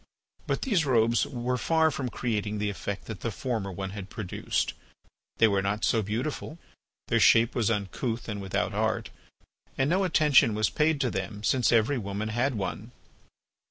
But these robes were far from creating the effect that the former one had produced. They were not so beautiful, their shape was uncouth and without art, and no attention was paid to them since every woman bad one.